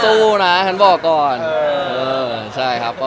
แล้วถ่ายละครมันก็๘๙เดือนอะไรอย่างนี้